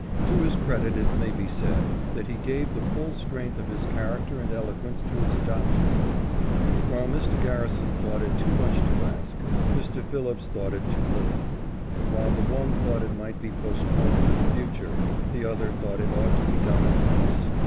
To his credit it may be said, that he gave the full strength of his character and eloquence to its adoption. While Mr. Garrison thought it too much to ask, Mr. Phillips thought it too little. While the one thought it might be postponed to the future, the other thought it ought to be done at once.